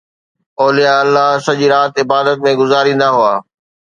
اولياء الله سڄي رات عبادت ۾ گذاريندا هئا.